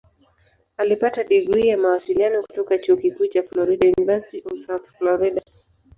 Alipata digrii ya Mawasiliano kutoka Chuo Kikuu cha Florida "University of South Florida".